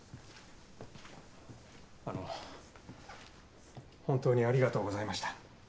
あの本当にありがとうございました。